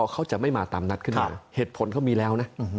เขาจะไม่มาตามนัดขึ้นมาเหตุผลเขามีแล้วนะ